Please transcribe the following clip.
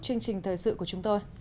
chương trình thời sự của chúng tôi